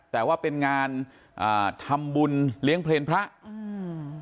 แต่ว่าเป็นงานอ่าทำบุญเลี้ยงเพลงพระอืม